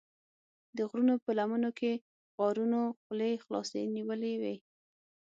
د غرونو په لمنو کې غارونو خولې خلاصې نیولې وې.